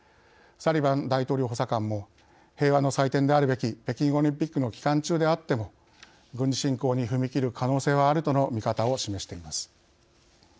サリバン大統領補佐官も平和の祭典であるべき北京オリンピックの期間中であっても軍事侵攻に踏み切る可能性はあるとの見方を示しています。